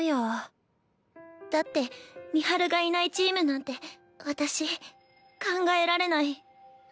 だって美晴がいないチームなんて私考えられない。